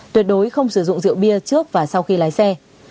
tuyệt đối không sử dụng rượu bia trước và sau khi lái xe